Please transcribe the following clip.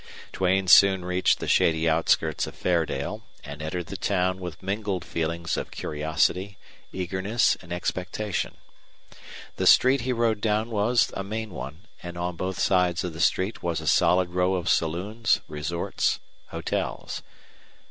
Duane soon reached the shady outskirts of Fairdale, and entered the town with mingled feelings of curiosity, eagerness, and expectation. The street he rode down was a main one, and on both sides of the street was a solid row of saloons, resorts, hotels.